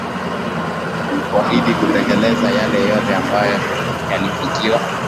kuahidi kutekeleza yale yote ambayo yalifikiwa